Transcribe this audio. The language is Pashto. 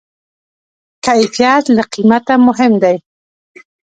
کیفیت له قیمته مهم دی.